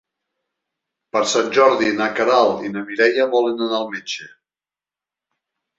Per Sant Jordi na Queralt i na Mireia volen anar al metge.